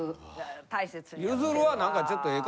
ゆずるは何かちょっとええ